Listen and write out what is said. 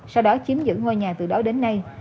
sau đó chiếm giữ ngôi nhà từ đó đến nay